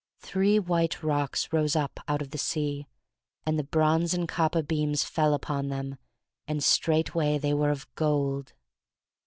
Three white rocks rose up out of the sea, and the bronze and copper beams fell upon them, and straightway they were of gold.